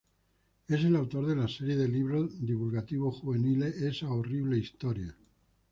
Es el autor de la serie de libros divulgativos juveniles "Esa Horrible Historia".